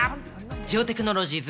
ジオテクノロジーズ